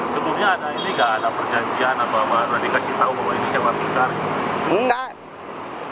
sebenarnya ini nggak ada perjanjian atau dikasih tahu bahwa ini sewa tikar